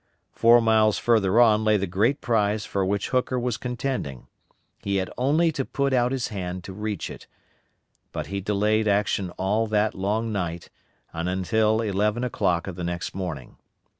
Four miles further on lay the great prize for which Hooker was contending. He had only to put out his hand to reach it, but he delayed action all that long night and until eleven o'clock of the next morning.